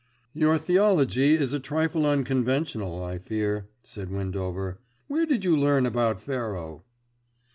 "Your theology is a trifle unconventional, I fear," said Windover. "Where did you learn about Pharaoh?"